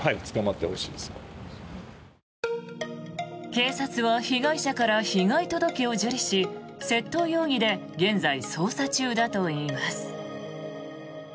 警察には被害者から被害届を受理し窃盗容疑で現在、捜査中だといいます。